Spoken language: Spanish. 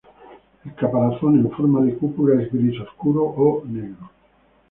El caparazón, en forma de cúpula es gris oscuro o negro.